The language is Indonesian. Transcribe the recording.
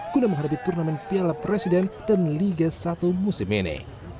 guna menghadapi turnamen piala presiden dan liga satu musim ini